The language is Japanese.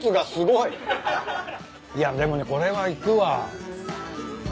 いやでもねこれはいくわ。